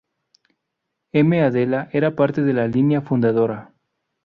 M. Adela era parte de la "Línea Fundadora.